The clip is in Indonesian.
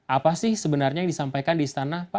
apa sih sebenarnya yang disampaikan di istana